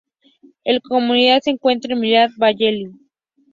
La comunidad se encuentra en Midland Valley.